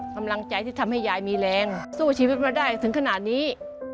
กำลังใจที่ทำให้ยายมีแรงสู้ชีวิตมาได้ถึงขนาดนี้